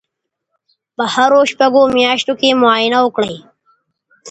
په هرو شپږو میاشتو کې معاینه وکړئ.